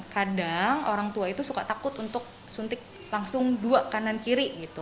kadang orang tua itu suka takut untuk suntik langsung dua kanan kiri gitu